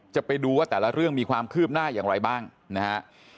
จะไปดูว่าแต่ละเรื่องมีความคืบหน้าอย่างไรบ้างนะฮะ